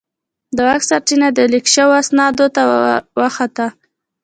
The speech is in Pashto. د واک سرچینه د لیک شوو اسنادو ته واوښته.